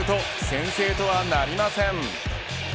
先制とはなりません。